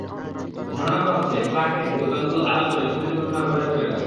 ধারণা করা হচ্ছে, ট্রাক রেখে দোকানগুলো আড়াল করে চুরির ঘটনা ঘটায় চোরেরা।